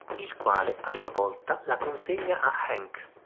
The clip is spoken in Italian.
Il quale, a sua volta, la consegna a Hank.